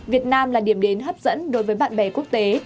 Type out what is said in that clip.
việt nam là điểm đến hấp dẫn đối với bạn bè quốc tế